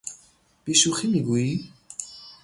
بی شوخی میگویی؟